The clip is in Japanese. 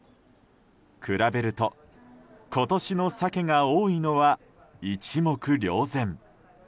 比べると、今年のサケが多いのは一目瞭然。